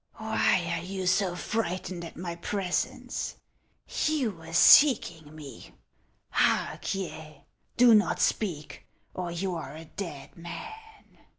" Why are you so frightened at my presence ? You were seeking me. Hark ye ! Do not speak, or you are a dead man."